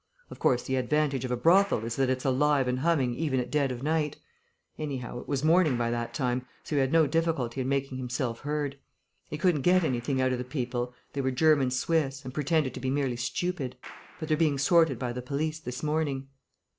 Of course, the advantage of a brothel is that it's alive and humming even at dead of night; anyhow it was morning by that time, so he had no difficulty in making himself heard. He couldn't get anything out of the people; they were German Swiss, and pretended to be merely stupid. But they're being sorted by the police this morning."